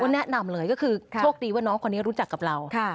แนะนำเลยก็คือโชคดีว่าน้องคนนี้รู้จักกับเรา